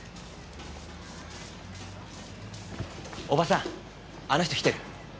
おばさんあの人来てる？